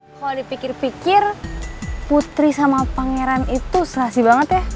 kalau dipikir pikir putri sama pangeran itu serasi banget ya